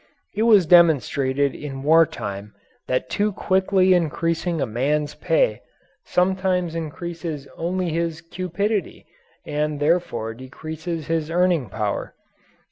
It was demonstrated in war time that too quickly increasing a man's pay sometimes increases only his cupidity and therefore decreases his earning power.